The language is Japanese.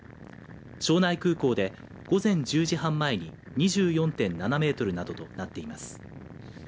庄内空港で午前１０時半前に２４．７メートルなどとなっています。